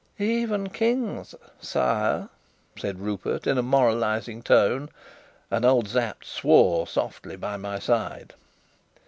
"Even kings, sire," said Rupert, in a moralizing tone; and old Sapt swore softly by my side.